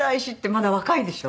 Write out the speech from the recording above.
まだ若いでしょ？